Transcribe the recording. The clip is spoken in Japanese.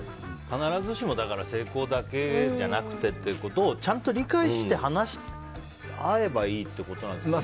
必ずしも成功だけじゃなくてってことをちゃんと理解して話し合えばいいということですかね。